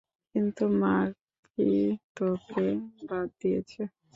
কিন্তু মার্কই তোকে বাদ দিয়েছে।